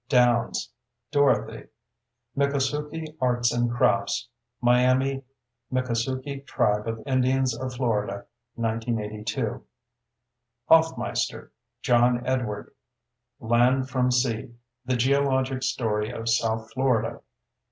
Downs, Dorothy. Miccosukee Arts and Crafts. Miami: Miccosukee Tribe of Indians of Florida, 1982. Hoffmeister, John Edward. _Land From Sea: The Geologic Story of South Florida.